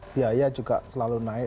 biaya juga selalu naik